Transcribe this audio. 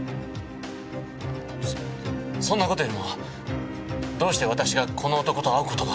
そそんな事よりもどうして私がこの男と会う事が？